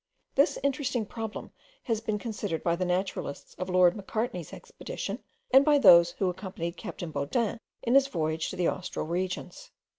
This interesting problem has been considered by the naturalists of Lord Macartney's expedition, and by those who accompanied captain Baudin in his voyage to the Austral regions.